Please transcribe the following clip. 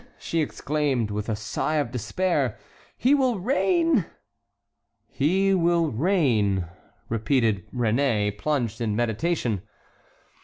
she exclaimed with a sigh of despair; "he will reign!" "He will reign!" repeated Réné, plunged in meditation.